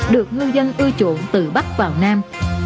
được ngư dân ưu chuộng từ bắc vào nam